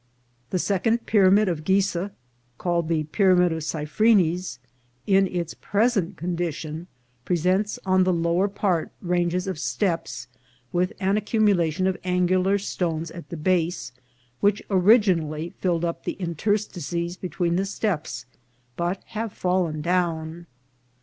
The second pyramid of Ghizeh, called the Pyramid of Cephrenes, in its present condition, presents on the lower part ranges of steps, with an accumulation of angular stones at the base, which originally filled up the interstices between the steps, but have fallen down.